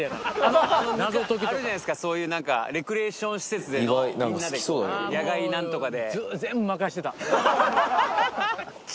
あるじゃないですかそういう何かレクリエーション施設でみんなで野外何とかで。